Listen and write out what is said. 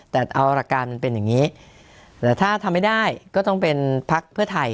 แต่เอาหลักการมันเป็นอย่างนี้แต่ถ้าทำไม่ได้ก็ต้องเป็นพักเพื่อไทย